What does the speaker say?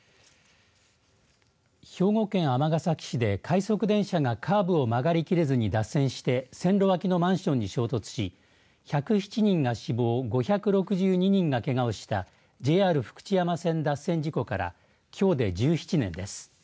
兵庫県尼崎市で快速電車がカーブを曲がりきれずに脱線して線路脇のマンションに衝突し１０７人が死亡、５６２人がけがをしたＪＲ福知山線脱線事故からきょうで１７年です。